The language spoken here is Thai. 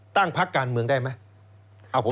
ตั้งพักการเมืองได้ไหม